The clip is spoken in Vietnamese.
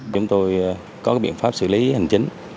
chúng tôi có biện pháp xử lý hành chính